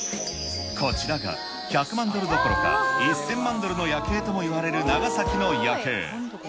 こちらが１００万ドルどころか、１０００万ドルの夜景ともいわれる長崎の夜景。